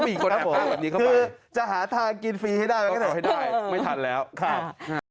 มีคนแอบภาพแบบนี้เข้าไปคือจะหาทางกินฟรีให้ได้ไม่ทันแล้วครับ